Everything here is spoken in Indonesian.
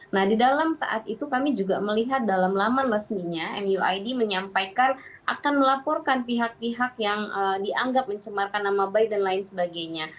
nah di dalam saat itu kami juga melihat dalam laman resminya muid menyampaikan akan melaporkan pihak pihak yang dianggap mencemarkan nama baik dan lain sebagainya